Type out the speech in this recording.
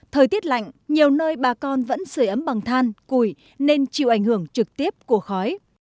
thời tiết lạnh nhiều nơi bà con vẫn sửa ấm bằng than củi nên chịu ảnh hưởng trực tiếp của khói